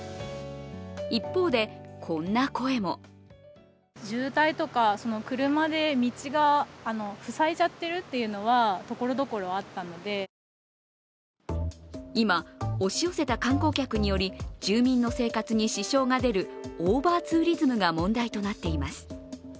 一方で、こんな声も今、押し寄せた観光客により住民生活に支障が出るオーバーツーリズムが問題となっています。